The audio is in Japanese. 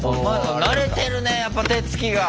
慣れてるねやっぱ手つきが。